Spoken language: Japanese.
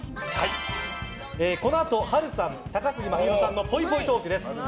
このあと、波瑠さん高杉真宙さんのぽいぽいトークです。